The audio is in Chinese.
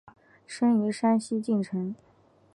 生于山西晋城。